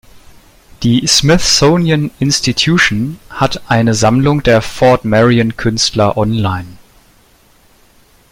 Die Smithsonian Institution hat eine Sammlung der Fort Marion Künstler online.